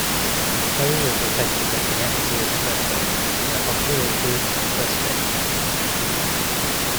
Closures affected the Kanetsu Expressway and the Hokuriku Expressway.